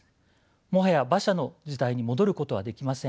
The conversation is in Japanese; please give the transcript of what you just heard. もはや馬車の時代に戻ることはできません。